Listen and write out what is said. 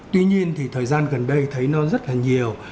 tuy nhiên thì thời gian gần đây thấy nó rất là nhiều